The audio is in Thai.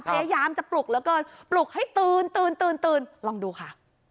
พยายามจะปลุกแล้วก็ปลุกให้ตื่นลองดูค่ะ